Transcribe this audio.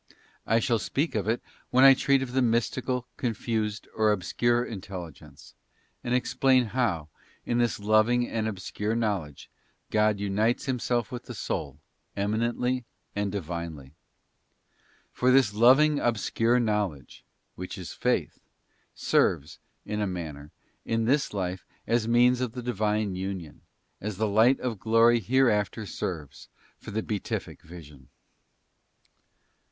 I shall speak of it when I treat of the'mystical, confused, or obscure intelligence, and explain how, in this loving and obscure knowledge, God unites Himself with the soul, eminently and Divinely. For * 2 Cor. xii. 2. t+ Ex. xxxiii. 22. } 3 Kings xix, 13. OBJECTS OF SUPERNATURAL INTUITION. 171 this loving obscure knowledge, which is Faith, serves, in a manner, in this life as means of the Divine union, as the light of glory hereafter serves for the Beatific Vision.